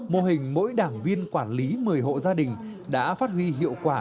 mô hình mỗi đảng viên quản lý một mươi hộ gia đình đã phát huy hiệu quả